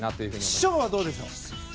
師匠はどうでしょう。